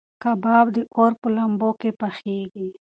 کباب د اور په لمبو کې پخېږي.